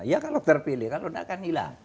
ya kalau terpilih kalau tidak akan hilang